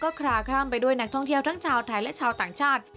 คลาข้ามไปด้วยนักท่องเที่ยวทั้งชาวไทยและชาวต่างชาติ